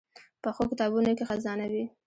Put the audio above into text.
پخو کتابونو کې خزانه وي